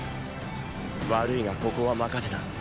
悪いがここは任せた。